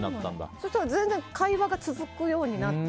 そしたら全然会話が続くようになって。